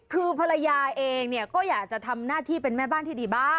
คือภรรยาเองเนี่ยก็อยากจะทำหน้าที่เป็นแม่บ้านที่ดีบ้าง